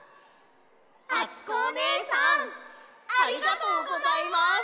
あつこおねえさんありがとうございます！